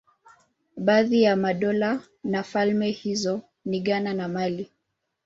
Baadhi ya madola na falme hizo ni Ghana na Mali.